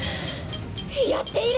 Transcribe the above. やっている！